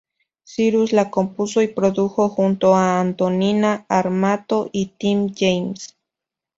Cyrus la compuso y produjo junto a Antonina Armato y Tim James.